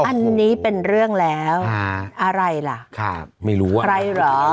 อันนี้เป็นเรื่องแล้วอะไรล่ะครับไม่รู้ว่าใครเหรอ